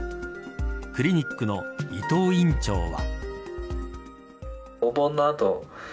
クリニックの伊藤院長は。